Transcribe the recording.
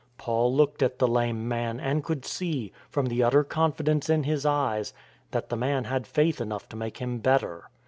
Paul looked at the lame man and could see, from the utter confidence in his eyes, that the man had faith enough to make him better.